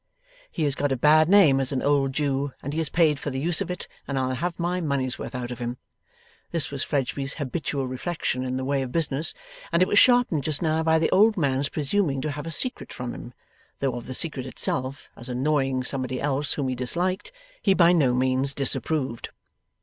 'He has got a bad name as an old Jew, and he is paid for the use of it, and I'll have my money's worth out of him.' This was Fledgeby's habitual reflection in the way of business, and it was sharpened just now by the old man's presuming to have a secret from him: though of the secret itself, as annoying somebody else whom he disliked, he by no means disapproved.